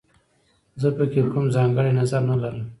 زه په کې کوم ځانګړی نظر نه لرم